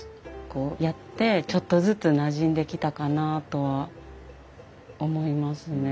こうやってちょっとずつなじんできたかなあとは思いますね。